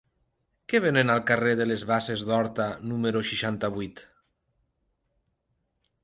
Què venen al carrer de les Basses d'Horta número seixanta-vuit?